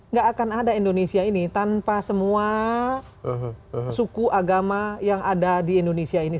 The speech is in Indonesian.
nggak akan ada indonesia ini tanpa semua suku agama yang ada di indonesia ini